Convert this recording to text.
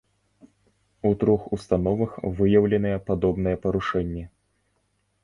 У трох установах выяўленыя падобныя парушэнні.